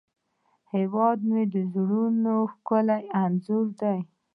هیواد مې د زړونو ښکلی انځور دی